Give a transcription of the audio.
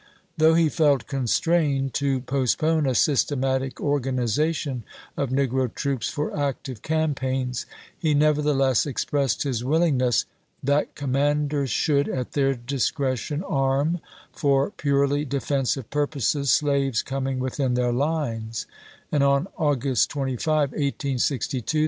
Though he felt constrained to postpone a systematic organization of negro troops for active campaigns, he nevertheless expressed his willing ness " that commanders should, at their discretion, arm, for purely defensive purposes, slaves coming within their lines"; and on August 25, 1862, the ibid.,p.44i.